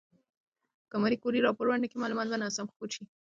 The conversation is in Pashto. که ماري کوري راپور ونکړي، معلومات به ناسم خپور شي.